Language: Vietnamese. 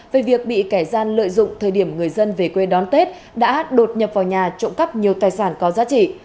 về việc bị kẻ gian lợi dụng thời điểm người dân về quê đón tết đã đột nhập vào nhà trộm cắp nhiều tài sản có giá trị